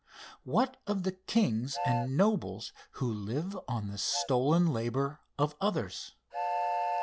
What of the kings and nobles who live on the stolen labor of others?